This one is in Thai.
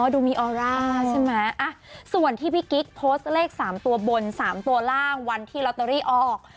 ดูมีออร่าใช่ไหมส่วนที่พี่กิ๊กโพสต์เลข๓ตัวบน๓ตัวล่างวันที่ลอตเตอรี่ออก